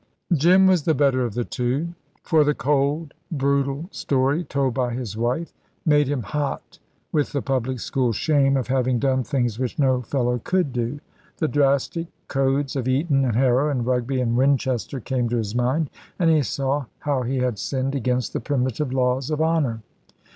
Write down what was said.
Jim was the better of the two, for the cold, brutal story told by his wife made him hot with the public school shame of having done things which no fellow could do. The drastic codes of Eton and Harrow and Rugby and Winchester came to his mind, and he saw how he had sinned against the primitive laws of honour.